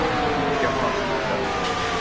কেমন আছো পূজা?